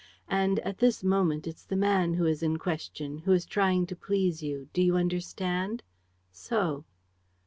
... And, at this moment, it's the man who is in question, who is trying to please you ... do you understand? ... So.